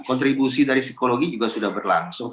kontribusi dari psikologi juga sudah berlangsung